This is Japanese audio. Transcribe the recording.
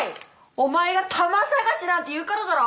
お前が魂さがしなんて言うからだろ！